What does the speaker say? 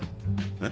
えっ？